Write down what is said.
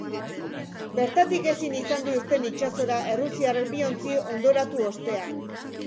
Bertatik ezin izan du irten itsasora, errusiarrek bi ontzi hondoratu ostean.